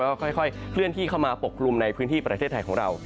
แล้วก็ค่อยเคลื่อนที่เข้ามาปกกลุ่มในพื้นที่ประเทศไทยของเรา